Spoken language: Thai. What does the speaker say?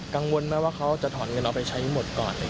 กังวลไหมว่าเขาจะถอนเงินเอาไปใช้หมดก่อน